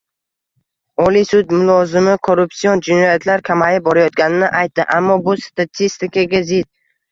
Oliy sud mulozimi korrupsion jinoyatlar kamayib borayotganini aytdi. Ammo bu statistikaga zid